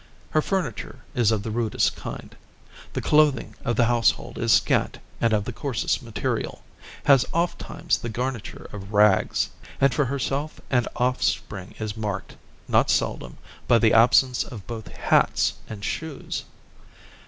Her furniture is of the rudest kind. The clothing of the household is scant and of the coarsest material, has ofttimes the garniture of rags; and for herself and offspring is marked, not seldom, by the absence of both hats and shoes.